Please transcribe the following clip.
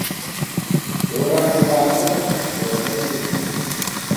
گوراں ژی بانوم، گورمنز کی نہ تَوُم